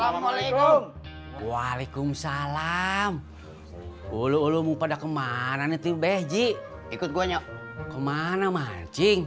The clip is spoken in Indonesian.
assalamualaikum waalaikumsalam ulu ulu mau pada kemana nih tuh behji ikut gua nyok kemana mancing